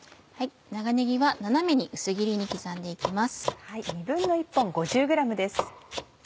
長ねぎは斜めに薄切りに刻んで行きます。